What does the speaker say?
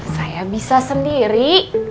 saya bisa sendiri